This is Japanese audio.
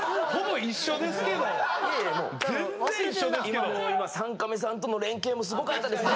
今もう３カメさんとの連係もすごかったですね